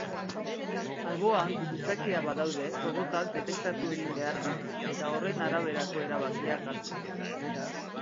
Alboan gizakiak badaude robotak detektatu egin behar ditu eta horren araberako erabakiak hartu.